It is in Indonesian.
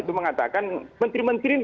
itu mengatakan menteri menteri ini